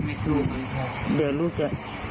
เดี๋ยวรู้จะ